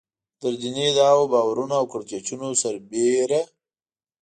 تر دیني ادعاوو، باورونو او کړکېچونو سربېره.